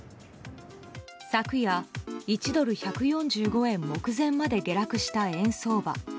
昨夜、１ドル＝１４５円目前まで下落した円相場。